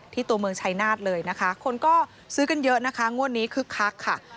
ตัวเมืองชายนาฏเลยนะคะคนก็ซื้อกันเยอะนะคะงวดนี้คึกคักค่ะ